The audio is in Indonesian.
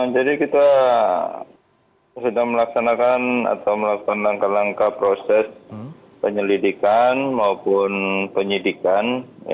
jadi kita sedang melaksanakan atau melakukan langkah langkah proses penyelidikan maupun penyidikan